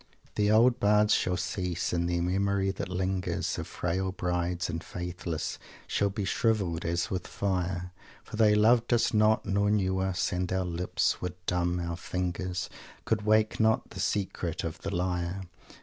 "The old bards shall cease and their memory that lingers Of frail brides and faithless shall be shrivelled as with fire, For they loved us not nor knew us and our lips were dumb, our fingers Could wake not the secret of the lyre.